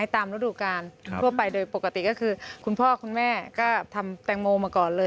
ตามฤดูการทั่วไปโดยปกติก็คือคุณพ่อคุณแม่ก็ทำแตงโมมาก่อนเลย